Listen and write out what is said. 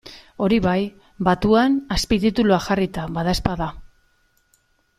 Hori bai, batuan azpitituluak jarrita badaezpada.